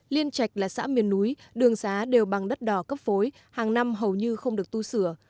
liên trạch là xã miền núi đường xá đều bằng đất đỏ cấp phối hàng năm hầu như không được tu sửa